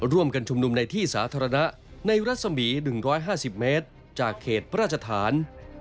ร่วมกันชุมนุมในที่สาธารณะในรัศมี๑๕๐เมตรจากเขตพระราชฐาน